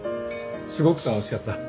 すごく楽しかった。